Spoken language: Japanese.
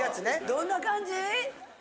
どんな感じ？